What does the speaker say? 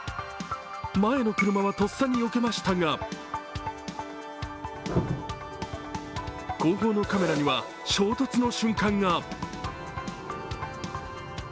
前の車はとっさによけましたが後方のカメラには衝突の瞬間が。